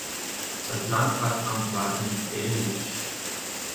Das Landratsamt war in Delitzsch.